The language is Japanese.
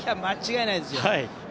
間違いないですよ。